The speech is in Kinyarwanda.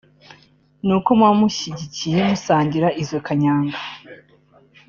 Ni uko muba mubashyigikiye musangira izo kanyanga